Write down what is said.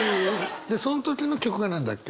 でその時の曲が何だっけ？